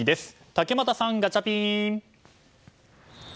竹俣さん、ガチャピン！